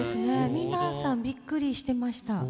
皆さんびっくりしてました。